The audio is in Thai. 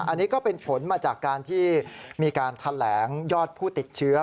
อันนี้ก็เป็นผลมาจากการที่มีการแถลงยอดผู้ติดเชื้อ